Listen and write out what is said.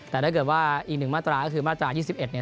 แต่ถ้าเกิดว่าอีก๑มาตราก็คือมาตรา๒๑เนี่ย